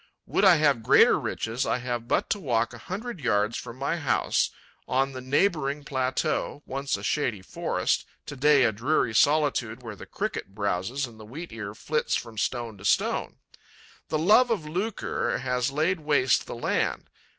Would I have greater riches, I have but to walk a hundred yards from my house, on the neighbouring plateau, once a shady forest, to day a dreary solitude where the Cricket browses and the Wheat ear flits from stone to stone. The love of lucre has laid waste the land.